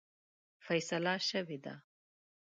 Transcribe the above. فیصله شوې ده.